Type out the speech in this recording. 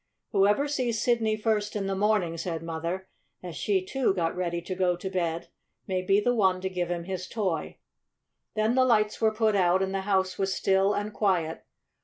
"Whoever sees Sidney first in the morning," said Mother, as she, too, got ready to go to bed, "may be the one to give him his toy." Then the lights were put out and the house was still and quiet.